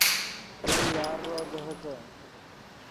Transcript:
تو یارݱو دیہیتے